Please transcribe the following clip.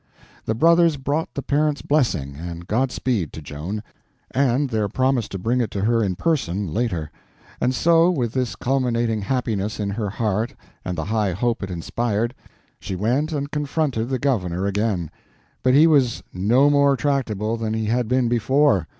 The brothers brought the parents' blessing and godspeed to Joan, and their promise to bring it to her in person later; and so, with this culminating happiness in her heart and the high hope it inspired, she went and confronted the governor again. But he was no more tractable than he had been before.